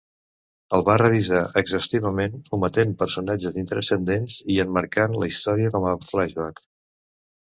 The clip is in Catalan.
El va revisar exhaustivament, ometent personatges intranscendents i emmarcant la història com a flashback.